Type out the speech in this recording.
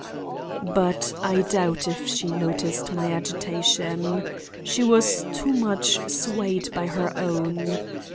But I doubt if she noticed my agitation. She was too much swayed by her own.